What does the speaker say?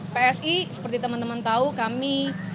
psi seperti temen temen tau kami